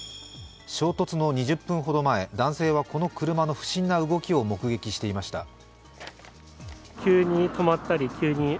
衝突の２０分ほど前、男性はこの車の不審な動きを目撃していました。